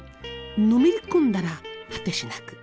のめり込んだら果てしなく。